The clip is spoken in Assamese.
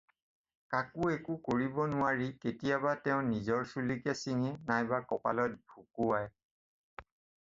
কাকো একো কৰিব নোৱাৰি কেতিয়াবা এওঁ নিজৰ চুলিকে ছিঙে, নাইবা কপালত ভুকুৱায়।